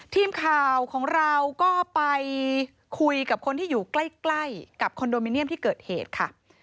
ทีมข่าวของเราก็ไปคุยกับคนที่อยู่ใกล้กับคอนโดมิเนียมที่เกิดเหตุค่ะ